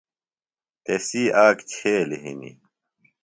تسی آک چھیلیۡ ہِنیۡ۔